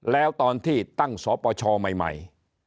แล้วตอนที่ตั้งสปชใหม่